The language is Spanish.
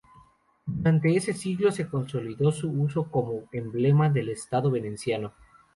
Durante ese siglo se consolidó su uso como emblema del Estado veneciano.